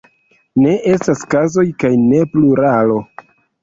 Ne estas kazoj kaj ne pluralo.